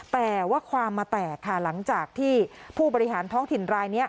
แต่ว่าความมาแตกค่ะหลังจากที่ผู้บริหารท้องถิ่นรายนี้